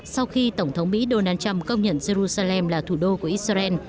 sau khi tổng thống mỹ donald trump công nhận jerusalem là thủ đô của israel